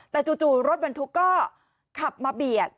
แต่จู่รถบรรทุกก็ขับมาเบียด